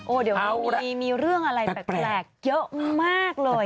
โอ้เดี๋ยวมีเรื่องอะไรแปลกเยอะมากเลยอ่ะ